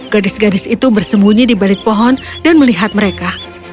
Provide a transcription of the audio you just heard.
gadis gadis itu bersembunyi di balik pohon dan melihat mereka